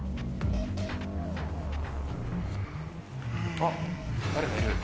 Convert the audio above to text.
あっ誰かいる。